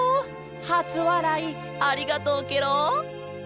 はつわらいありがとうケロ。